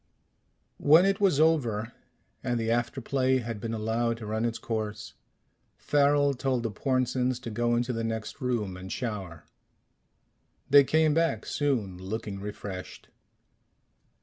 When it was over, and the after play had been allowed to run its course, Farrel told the Pornsens to go into the next room and shower. They came back soon, looking refreshed.